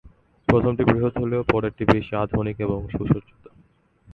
প্রথমটি বৃহৎ হলেও পরেরটি বেশি আধুনিক এবং সুসজ্জিত।